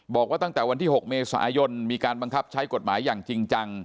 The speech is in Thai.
บอกว่าตั้งแต่วันที่๖เมษายนมีการบังคับใช้กฎหมายอย่างจริงจัง